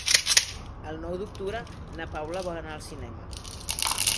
El nou d'octubre na Paula vol anar al cinema.